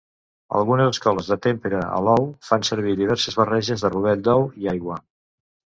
Algunes escoles de tempera a l'ou fan servir diverses barreges de rovell d'ou i aigua.